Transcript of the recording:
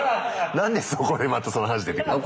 何でそこでまたその話出てくるんだよ。